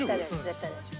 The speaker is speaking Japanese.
絶対大丈夫。